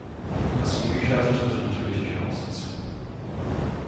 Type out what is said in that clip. Das Umgekehrte trifft natürlich genauso zu.